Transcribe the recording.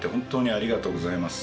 ありがとうございます。